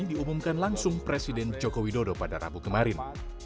diumumkan langsung presiden joko widodo pada rabu kemarin